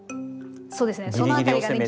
そうですねそのあたりがね